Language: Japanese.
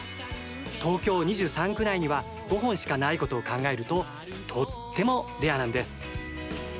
東京２３区内には５本しかないことを考えると、とってもレアなんです。